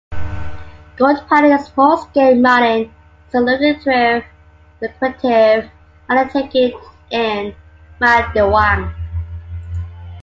Gold panning and small-scale mining is a lucrative undertaking in Magdiwang.